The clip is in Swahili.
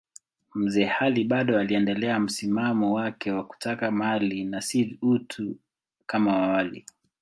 Mzee Ali bado aliendelea msimamo wake wa kutaka mali na si utu kama awali.